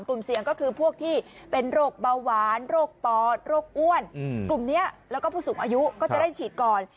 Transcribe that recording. กลุ่มเสี่ยงก็คือพวกที่เป็นโรคเบาหวานโรคปอดโรคอ้วนกลุ่มนี้แล้วก็ผู้สูงอายุก็จะได้ฉีดก่อน